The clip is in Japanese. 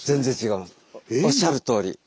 おっしゃるとおり。